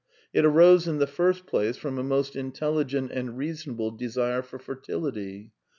It arose, in the first place, from a most intelligent and reasonable desire for fertility.